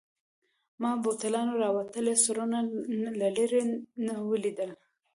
ما بوتلانو راوتلي سرونه له لیري نه ولیدل.